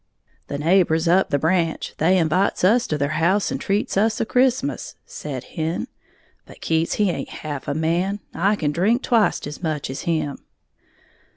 "The neighbors up the branch they invites us to their house and treats us a Christmas," said Hen; "but Keats he haint half a man, I can drink twict as much as him!"